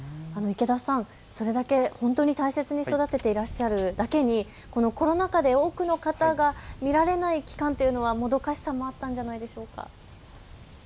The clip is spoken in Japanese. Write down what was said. それだけ本当に大切に育てているだけにコロナ禍で多くの方が見られない期間というのはもどかしさもあったんじゃないですか。